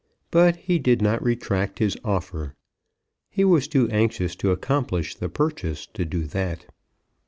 But he did not retract his offer. He was too anxious to accomplish the purchase to do that.